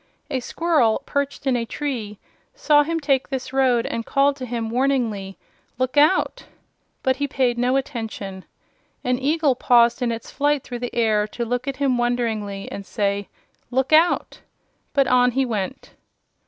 A squirrel, perched in a tree, saw him take this road and called to him warningly: "Look out!" But he paid no attention. An eagle paused in its flight through the air to look at him wonderingly and say: "Look out!" But on he went.